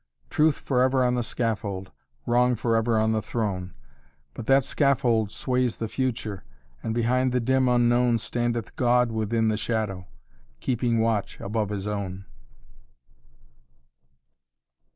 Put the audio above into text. Truth forever on the scaffold, Wrong forever on the throne; But that scaffold sways the future, And behind the dim Unknown Standeth God within the shadow. Keeping watch above his own."